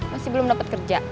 masih belum dapat kerja